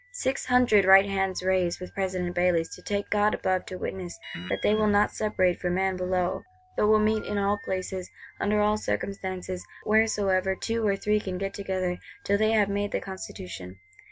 Six hundred right hands rise with President Bailly's, to take God above to witness that they will not separate for man below, but will meet in all places, under all circumstances, wheresoever two or three can get together, till they have made the Constitution.